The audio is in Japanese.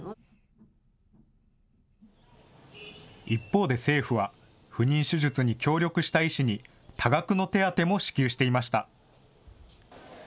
一方で政府は、不妊手術に協力した医師に、多額の手当も支給していました。